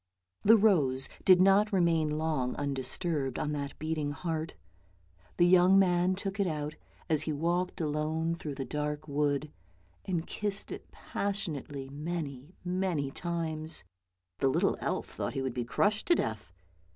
The rose did not remain long undisturbed on that beating heart; the young man took it out, as he walked alone through the dark wood, and kissed it passionately many, many times; the little elf thought he would be crushed to death.